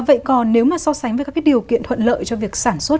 vậy còn nếu mà so sánh với các cái điều kiện thuận lợi cho việc sản xuất